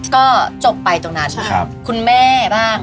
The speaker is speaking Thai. ก็จบไปตรงนั้น